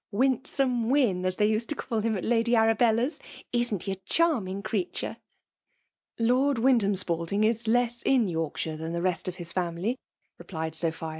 'Winsome Wyn/ as they used to call him at Lady Arabella's. Is'nt he a charming creature ?"'* Lord Wyndham Spalding is less in York shire than the rest of his family,'' replied Sophia.